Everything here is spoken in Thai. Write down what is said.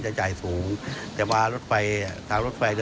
เพื่อลดหน่อยความสามารถเรือนขจากกลุ่ม